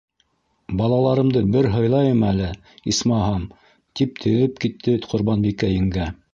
Балаларымды бер һыйлайым әле, исмаһам, - тип теҙеп китте Ҡорбанбикә еңгә.